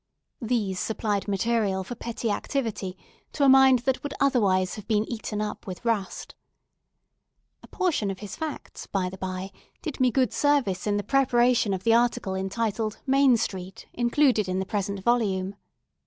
These supplied material for petty activity to a mind that would otherwise have been eaten up with rust. A portion of his facts, by the by, did me good service in the preparation of the article entitled "MAIN STREET," included in the present volume.